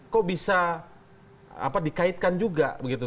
kok bisa dikaitkan juga begitu